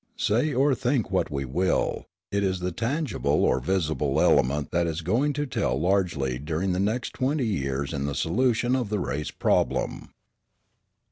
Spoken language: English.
Say or think what we will, it is the tangible or visible element that is going to tell largely during the next twenty years in the solution of the race problem.